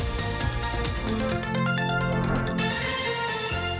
โปรดติดตามตอนต่อไป